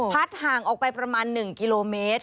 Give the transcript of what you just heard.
ห่างออกไปประมาณ๑กิโลเมตร